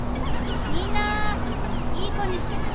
みんないい子にしててね。